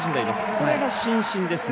これが伸身ですね。